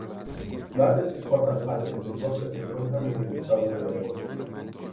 Más de tres cuartas partes del bosque se encuentran en el estado de Oregón.